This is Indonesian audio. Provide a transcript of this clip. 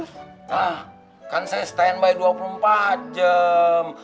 nah kan saya standby dua puluh empat jam